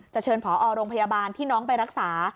เชิญผอโรงพยาบาลที่น้องไปรักษา